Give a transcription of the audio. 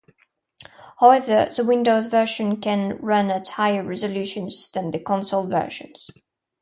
However, the Windows version can run at higher resolutions than the console versions.